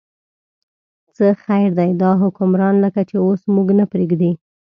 څه خیر دی، دا حکمران لکه چې اوس موږ نه پرېږدي.